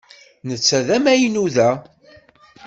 Netta d amaynu da.